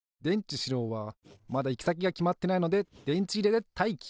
しろうはまだいきさきがきまってないのででんちいれでたいき！